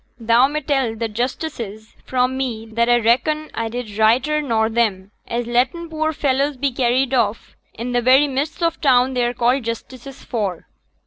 Thou may tell t' justices fra' me that a reckon a did righter nor them, as letten poor fellys be carried off i' t' very midst o' t' town they're called justices for.'